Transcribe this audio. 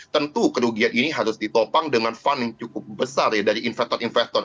tentu kerugian ini harus ditopang dengan fun yang cukup besar ya dari investor investor